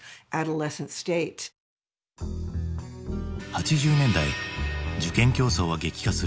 ８０年代受験競争は激化する。